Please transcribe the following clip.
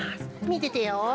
みててよ。